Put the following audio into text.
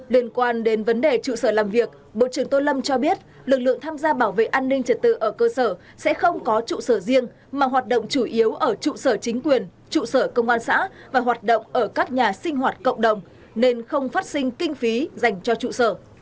liên quan đến vấn đề trụ sở làm việc bộ trưởng tô lâm cho biết lực lượng tham gia bảo vệ an ninh trật tự ở cơ sở sẽ không có trụ sở riêng mà hoạt động chủ yếu ở trụ sở chính quyền trụ sở công an xã và hoạt động ở các nhà sinh hoạt cộng đồng nên không phát sinh kinh phí dành cho trụ sở